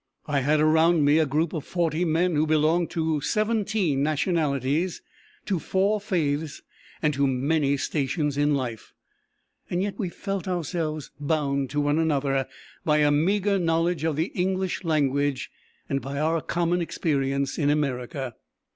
I had around me a group of forty men who belonged to seventeen nationalities, to four faiths and to many stations in life; yet we felt ourselves bound to one another by a meagre knowledge of the English language and by our common experience in America.